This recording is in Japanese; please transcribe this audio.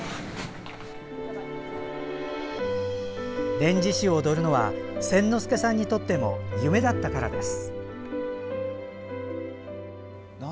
「連獅子」を踊るのは千之助さんにとっても夢だったからです。